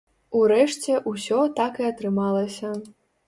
Урэшце, усё так і атрымалася.